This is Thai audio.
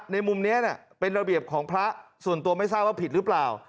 ในมุมนี้เป็นระเบียบของพระส่วนตัวไม่ทราบว่าผิดหรือเปล่า